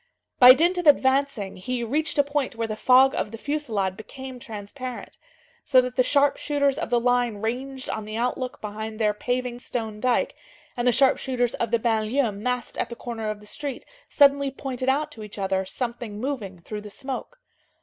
By dint of advancing, he reached a point where the fog of the fusillade became transparent. So that the sharpshooters of the line ranged on the outlook behind their paving stone dike and the sharpshooters of the banlieue massed at the corner of the street suddenly pointed out to each other something moving through the smoke.